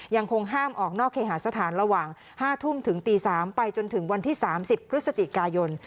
ยังคงห้ามออกนอกเคหาสถานระหว่าง๕ทุ่มถึงตี๓ไปจนถึงวันที่๓๐พฤศจิกายน